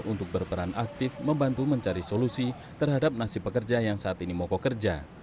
untuk berperan aktif membantu mencari solusi terhadap nasib pekerja yang saat ini mokok kerja